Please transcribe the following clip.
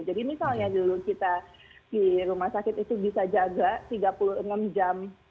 jadi misalnya dulu kita di rumah sakit itu bisa jaga tiga puluh enam jam